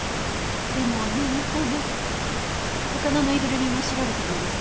でも念のため他のぬいぐるみも調べてみます。